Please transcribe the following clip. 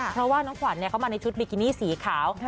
เพราะว่าน้องขวัญเข้ามาในชุดบิกินี่สีขาว